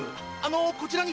こちらに。